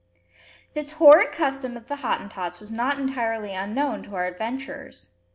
This horrid custom of the Hottentots was not entirely unknown to our adventurers.